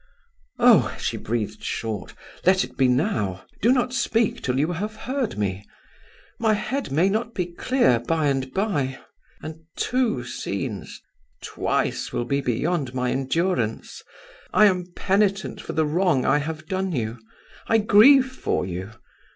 "Oh!" she breathed short, "let it be now. Do not speak till you have heard me. My head may not be clear by and by. And two scenes twice will be beyond my endurance. I am penitent for the wrong I have done you. I grieve for you.